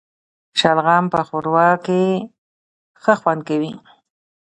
شلغم په ښوروا کي ښه خوند کوي